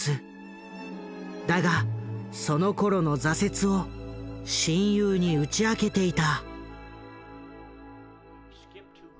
だがそのころの挫折を親友に打ち明けていた。